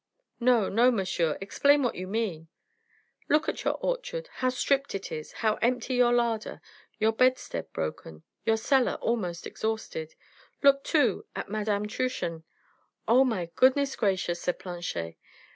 "No, no, monsieur, explain what you mean." "Look at your orchard, how stripped it is, how empty your larder, your bedstead broken, your cellar almost exhausted, look too... at Madame Truchen " "Oh! my goodness gracious!" said Planchet.